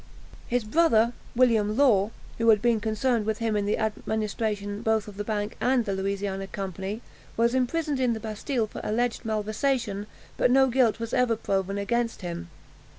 His brother, William Law, who had been concerned with him in the administration both of the bank and the Louisiana Company, was imprisoned in the Bastille for alleged malversation, but no guilt was ever proved against him.